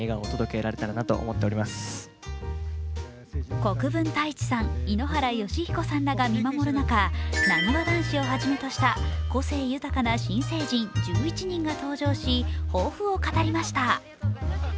国分太一さん、井ノ原快彦さんらが見守る中、なにわ男子をはじめとした個性豊かな新成人１１人が登場し、抱負を語りました。